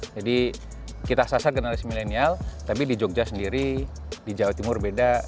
jadi kita sasar generasi milenial tapi di jogja sendiri di jawa timur beda